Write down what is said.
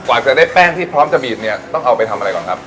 กว่าจะได้แป้งที่พร้อมจะบีบเนี่ยต้องเอาไปทำอะไรก่อนครับ